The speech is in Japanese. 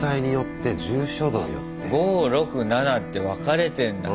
５６７って分かれてんだね。